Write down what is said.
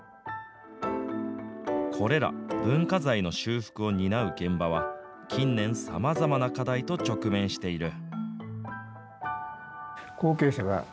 これら、文化財の修復を担う現場は、近年、さまざまな課題と直面している。